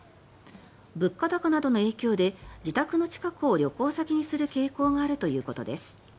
物価高などの影響で自宅の近くを旅行先にする傾向があるということです。